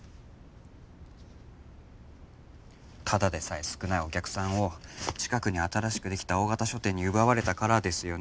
ただでさえ少ないお客さんを近くに新しく出来た大型書店に奪われたからですよね。